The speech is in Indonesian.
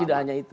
tidak hanya itu